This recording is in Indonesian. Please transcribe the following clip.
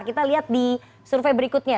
kita lihat di survei berikutnya